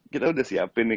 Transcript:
kita udah siapin nih